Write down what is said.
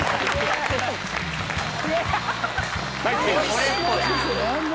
俺っぽい。